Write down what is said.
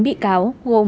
chín bị cáo gồm